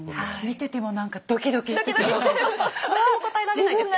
見てても何かドキドキしてきます。